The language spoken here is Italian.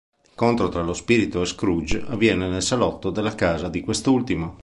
L'incontro tra lo spirito e Scrooge avviene nel salotto della casa di quest'ultimo.